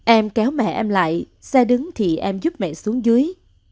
em kéo mẹ em lại xe đứng thì em giúp mẹ xuống dưới